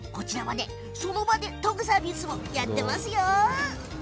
その場で研ぐサービスもやってますよ。